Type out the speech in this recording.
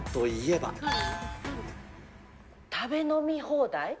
食べ飲み放題？